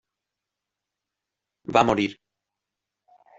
Va morir.